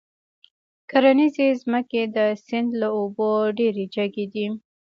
کرنيزې ځمکې د سيند له اوبو ډېرې جګې دي.